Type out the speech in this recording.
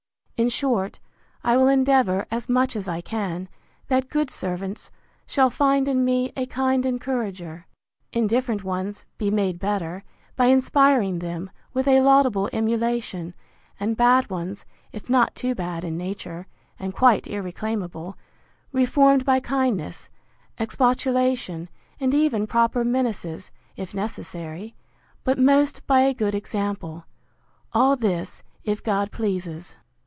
In short, I will endeavour, as much as I can, that good servants shall find in me a kind encourager; indifferent ones be made better, by inspiring them with a laudable emulation; and bad ones, if not too bad in nature, and quite irreclaimable, reformed by kindness, expostulation, and even proper menaces, if necessary; but most by a good example: All this if God pleases.